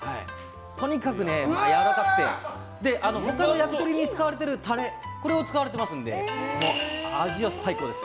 とにかくやわらかくてあと他の焼き鳥に使われてるタレが使われていますので味は最高です。